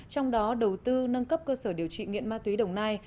trong đó đầu tư nâng cấp cơ sở điều trị nghiện ma túy đồng nai